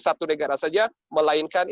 satu negara saja melainkan